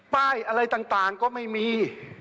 ป้ายอะไรต่างก็ไม่มี